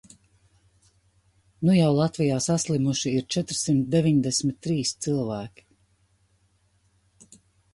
Nu jau Latvijā saslimuši ir četrsimt deviņdesmit trīs cilvēki.